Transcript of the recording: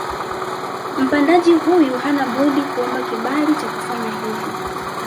Mpandaji huyu hana budi kuomba kibali cha kufanya hivyo